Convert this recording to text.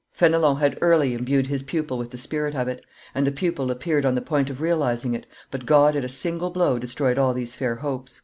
Fenelon had early imbued his pupil with the spirit of it; and the pupil appeared on the point of realizing it; but God at a single blow destroyed all these fair hopes.